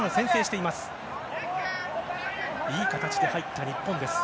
いい形で入った日本です。